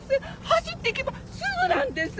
走ってけばすぐなんです。